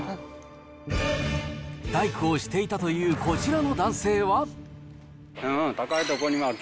大工をしていたというこちらの男性は。